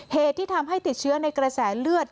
เหตุที่ทำให้ติดเชื้อในกระแสเลือด